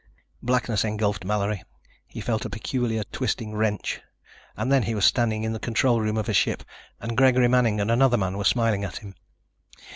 Blackness engulfed Mallory. He felt a peculiar twisting wrench. And then he was standing in the control room of a ship and Gregory Manning and another man were smiling at him.